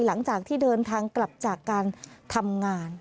หลังจากที่เดินทางกลับจากการทำงาน